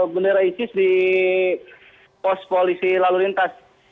bendera isis di pos polisi lalu lintas